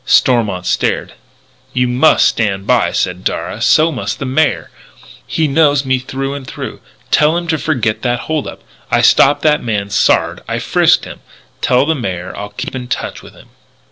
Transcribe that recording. Stormont stared. "You must stand by me," said Darragh. "So must the Mayor. He knows me through and through. Tell him to forget that hold up. I stopped that man Sard. I frisked him. Tell the Mayor. I'll keep in touch with him."